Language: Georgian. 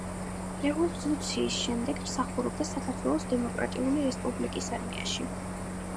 რევოლუციის შემდეგ მსახურობდა საქართველოს დემოკრატიული რესპუბლიკის არმიაში.